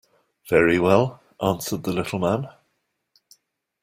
"Very well," answered the little man.